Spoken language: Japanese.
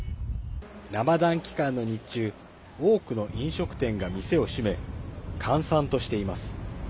ラマダン期間の日中多くの飲食店が店を閉め閑散としています。